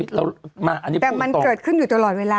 แต่มันเกิดขึ้นอยู่ตลอดเวลา